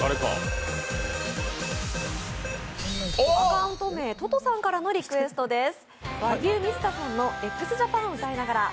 アカウント名、ととさんからのリクエストです。